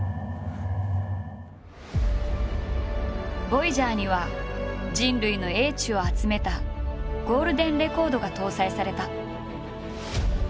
ボイジャーには人類の叡智を集めた「ゴールデンレコード」が搭載された。